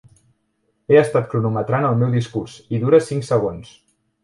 He estat cronometrant el meu discurs, i dura cinc segons.